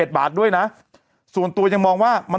เป็นอยู่ในหนังซีรีย์เลยของเกาหลี